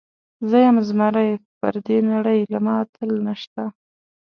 زه یم زمری، پر دې نړۍ له ما اتل نسته.